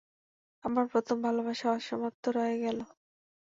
আমার প্রথম ভালোবাসা অসমাপ্ত রয়ে গেলো।